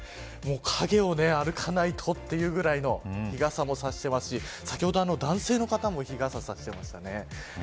陰を歩かないとというぐらいの日傘も差していますし先ほど男性の方も日傘、差していましたね。